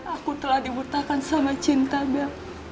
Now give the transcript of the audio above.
aku telah diurtakan dengan cinta bella